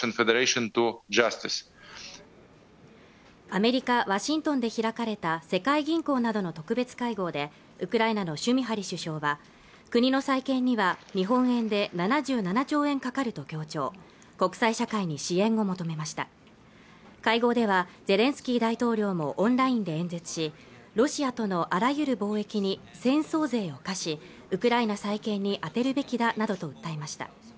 アメリカワシントンで開かれた世界銀行などの特別会合でウクライナのシュミハリ首相は国の再建には日本円で７７兆円かかると強調国際社会に支援を求めました会合ではゼレンスキー大統領もオンラインで演説しロシアとのあらゆる貿易に戦争税を課しウクライナ再建に充てるべきだなどと訴えました